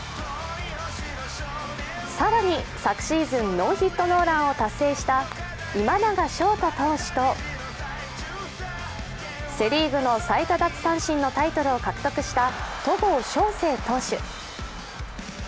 更に、昨シーズンノーヒットノーランを達成した今永昇太投手とセ・リーグの最多奪三振のタイトルを獲得した戸郷翔征投手。